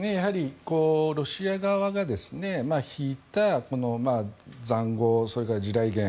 ロシア側が引いた塹壕それから地雷原